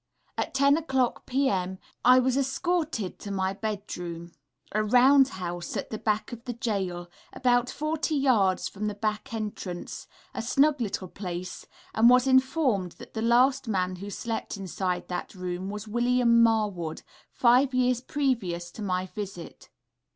At 10 0 o'clock p.m. I was escorted to my bedroom, a round house at the back part of the gaol, about 40 yards from the back entrance, a snug little place, and was informed that the last man who slept inside that room was Wm. Marwood, five years previous to my visit.